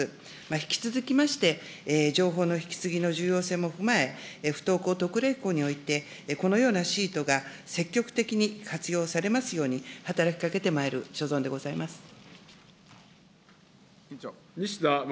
引き続きまして、情報の引き継ぎの重要性も踏まえ、不登校特例校において、このようなシートが積極的に活用されますように、働き西田実